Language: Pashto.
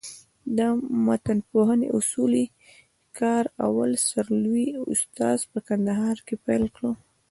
د متنپوهني اصولي کار اول سر لوى استاد په کندهار کښي پېل کړ.